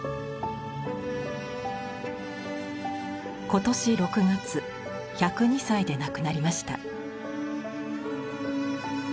今年６月１０２歳で亡くなりました。